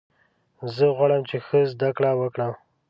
زه غواړم چې ښه زده کړه وکړم.